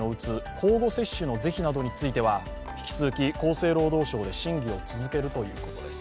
交互接種の是非などについては引き続き厚労省で審議を続けるということです。